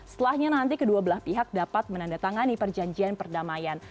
setelahnya nanti kedua belah pihak dapat menandatangani perjanjian perdamaian